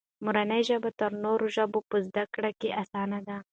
مورنۍ ژبه تر نورو ژبو په زده کړه کې اسانه ده.